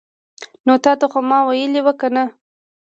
نو تاته خو ما ویلې وو کنه